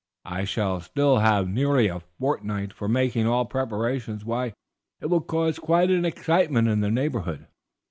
I shall still have nearly a fortnight for making all preparations. Why, it will cause quite an excitement in the neighborhood!